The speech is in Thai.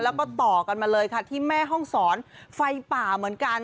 แล้วก็ต่อกันมาเลยค่ะที่แม่ห้องศรไฟป่าเหมือนกัน